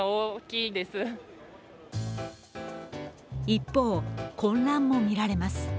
一方、混乱も見られます。